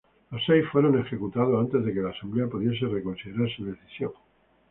Los seis fueron ejecutados antes de que la asamblea pudiese reconsiderar su decisión.